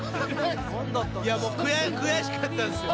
悔しかったんすよ。